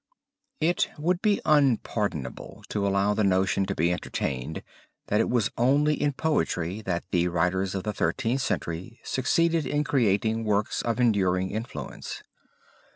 It would be unpardonable to allow the notion to be entertained that it was only in poetry that the writers of the Thirteenth Century succeeded in creating works of enduring influence.